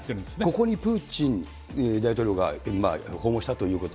ここにプーチン大統領が訪問したということは。